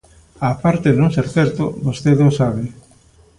Á parte de non ser certo, vostede o sabe.